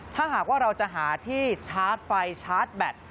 ถ้าหากว่าเราจะหาที่ชาร์จไฟชาร์จแบต